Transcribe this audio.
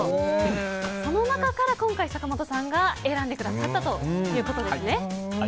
その中から今回坂本さんが選んでくださったということですね。